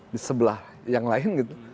di sebelah yang lain gitu